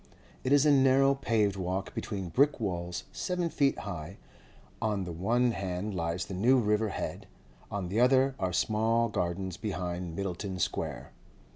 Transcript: It is a narrow paved walk between brick walls seven feet high; on the one hand lies the New River Head, on the other are small gardens behind Myddelton Square.